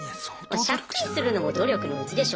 借金するのも努力のうちでしょと。